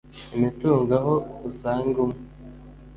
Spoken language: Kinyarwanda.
imitungo aho usanga umwe